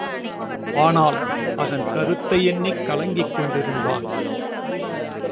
ஆனால் அதன் கருத்தை எண்ணிக் கலங்கிக் கொண்டிருந்தான்!